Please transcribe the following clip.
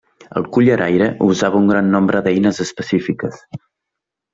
El culleraire usava un gran nombre d'eines específiques.